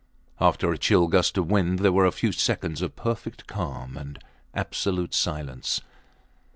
After a chill gust of wind there were a few seconds of perfect calm and absolute silence.